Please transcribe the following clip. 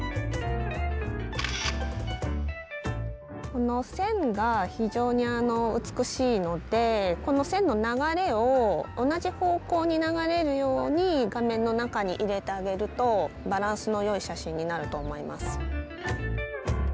この線が非常に美しいのでこの線の流れを同じ方向に流れるように画面の中に入れてあげるとバランスのよい写真になると思います。